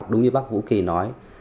đúng như bác vũ kỳ nói